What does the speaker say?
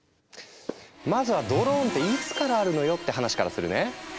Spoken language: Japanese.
まずはドローンっていつからあるのよって話からするね。